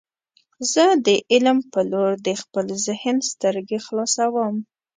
زه د علم په لور د خپل ذهن سترګې خلاصوم.